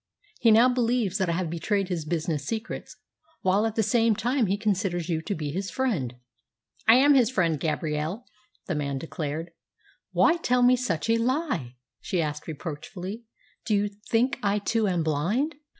He now believes that I have betrayed his business secrets, while at the same time he considers you to be his friend!" "I am his friend, Gabrielle," the man declared. "Why tell me such a lie?" she asked reproachfully. "Do you think I too am blind?"